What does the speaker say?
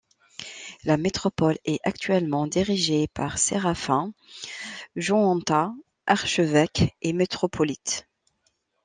La métropole est actuellement dirigée par Séraphin Joanta, archevêque et métropolite.